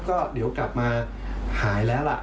ก็เดี๋ยวกลับมาหายแล้วล่ะ